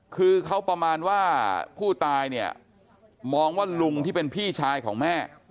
คือเขาประมาณว่าผู้ตายเนี่ยมองว่าลุงที่เป็นพี่ชายของแม่